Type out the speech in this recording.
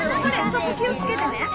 そこ気を付けてね。